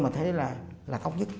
mà thấy là khóc nhất